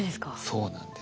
そうなんです。